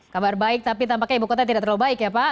kabar baik tapi tampaknya ibu kota tidak terlalu baik ya pak